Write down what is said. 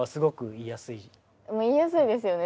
言いやすいですよね